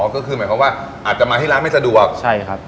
ก็คือหมายความว่าอาจจะมาที่ร้านไม่สะดวกใช่ครับ